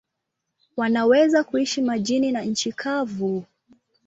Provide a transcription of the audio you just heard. Wanaweza kuishi majini na nchi kavu.